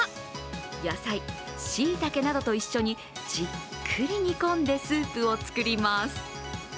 野菜、しいたけなどとじっくり煮込んでスープを作ります。